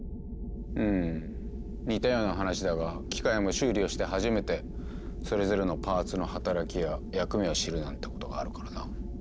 ふむ似たような話だが機械も修理をして初めてそれぞれのパーツの働きや役目を知るなんてことがあるからな。